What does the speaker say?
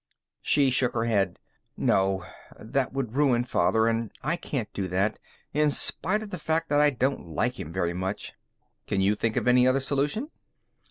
She shook her head. "No. That would ruin Father, and I can't do that, in spite of the fact that I don't like him very much." "Can you think of any other solution?"